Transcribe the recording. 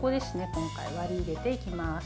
今回、割り入れていきます。